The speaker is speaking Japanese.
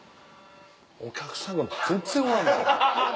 お客さんが全然おらん。